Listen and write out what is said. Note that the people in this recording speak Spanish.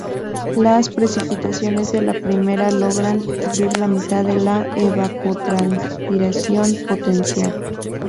Las precipitaciones de la primavera logran cubrir la mitad de la evapotranspiración potencial.